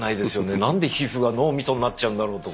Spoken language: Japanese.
何で皮膚が脳みそになっちゃうんだろうとか。